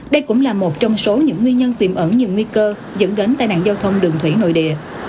đây cũng là một trong số những nguyên nhân tiềm ẩn nhiều nguy cơ dẫn đến tai nạn giao thông đường thủy nội địa